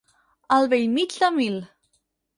Al bell mig de mil.